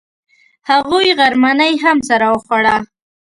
هغوی غرمنۍ هم سره وخوړه.